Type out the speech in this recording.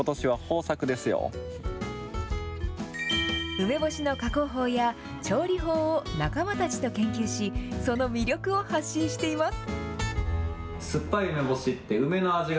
梅干しの加工法や調理法を仲間たちと研究し、その魅力を発信しています。